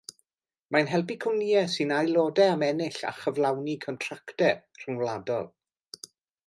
Mae'n helpu cwmnïau sy'n aelodau am ennill a chyflawni contractau rhyngwladol.